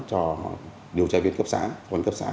cho điều tra viên cơ quan cấp xã